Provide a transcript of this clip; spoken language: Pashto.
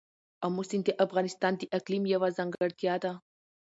آمو سیند د افغانستان د اقلیم یوه ځانګړتیا ده.